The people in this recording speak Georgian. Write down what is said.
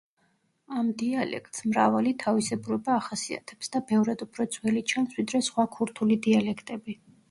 ამ დიალექტს მრავალი თავისებურება ახასიათებს და ბევრად უფრო ძველი ჩანს ვიდრე სხვა ქურთული დიალექტები.